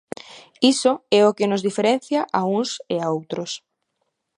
Iso é o que nos diferencia a uns e a outros.